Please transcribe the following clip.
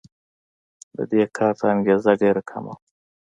د دې کار ته انګېزه ډېره کمه وه.